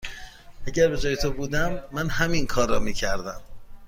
اگر به جای تو بودم، من همین کار را می کردم.